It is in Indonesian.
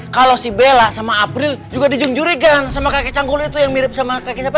kalau si bella sama april juga dijungjurigan sama kakek canggul itu yang mirip sama kakek apa namanya kakek imron